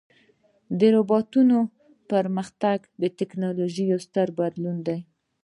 د روبوټونو پرمختګ د ټکنالوژۍ یو ستر بدلون دی.